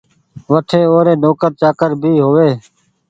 وٺي او ري نوڪر چآڪر ڀي هووي